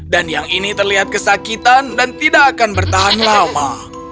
dan yang ini terlihat kesakitan dan tidak akan bertahan lama